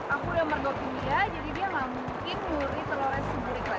aku sudah merdokin dia jadi dia gak mungkin ngeluri telurnya si burik lagi